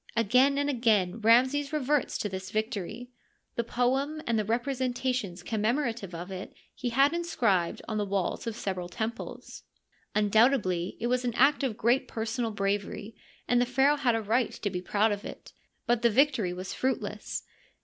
Again and again Ramses reverts to this victory ; the poem and the representations commemorative of it he had inscribed on the walls of several temples. Undoubtedly it was an act of great personal bravery, and the pharaoh had a right to be proud of it ; but the victory was fruitless.